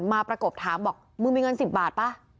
ประกบถามบอกมึงมีเงิน๑๐บาทป่ะ